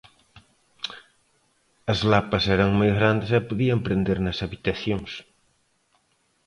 As lapas eran moi grandes e podían prender nas habitacións.